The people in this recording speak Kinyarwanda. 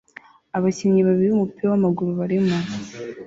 Abakinnyi babiri bumupira wamaguru barimo